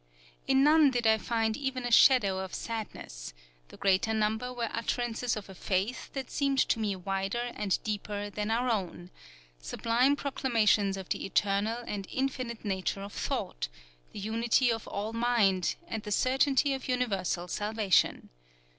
In none did I find even a shadow of sadness: the greater number were utterances of a faith that seemed to me wider and deeper than our own, sublime proclamations of the eternal and infinite nature of Thought, the unity of all mind, and the certainty of universal salvation.